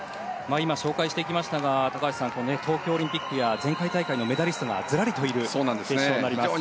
今、紹介していきましたが高橋さん、東京オリンピックや前回大会のメダリストがずらりといる決勝になります。